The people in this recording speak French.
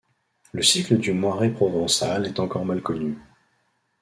Le cycle du Moiré provençal est encore mal connu.